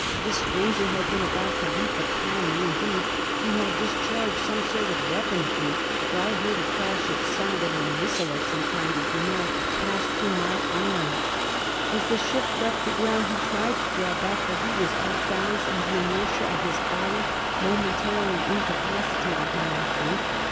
The stranger had been about to leap upon me; indeed, he had discharged some sort of weapon at me, for I heard a crash of sound, and a missile of some kind, as you know, passed through my left arm. "As the ship left the ground, he tried to draw back, but he was off balance, and the inertia of his body momentarily incapacitated him, I think.